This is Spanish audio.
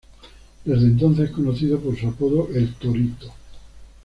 Desde entonces es conocido por su apodo El Torito.